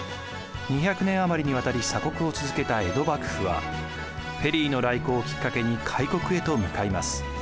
２００年余りにわたり鎖国を続けた江戸幕府はペリーの来航をきっかけに開国へと向かいます。